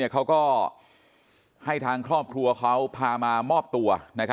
เขาก็ให้ทางครอบครัวเขาพามามอบตัว